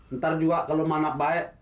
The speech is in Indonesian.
ntar juga kalau mana baik